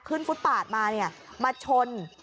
ขึ้นฟุตป่าดมาเนี้ยมาชน